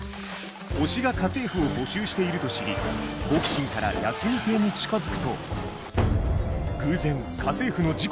「推し」が家政婦を募集していると知り好奇心から八海邸に近づくとえっ！？